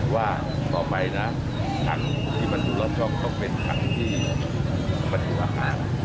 ว่าต่อไปทั้งที่บรรจุรอดช่องต้องเป็นทั้งที่บรรจุอาหาร